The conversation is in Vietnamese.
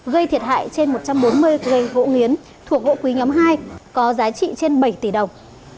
gây thiệt hại trên một trăm bốn mươi cây gỗ nghiến thuộc gỗ quý nhóm hai có giá trị trên bảy tỷ đồng